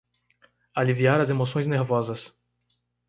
Aliviar as emoções nervosas